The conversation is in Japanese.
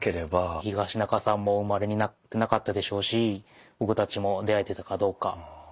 東仲さんもお生まれになってなかったでしょうし僕たちも出会えてたかどうか。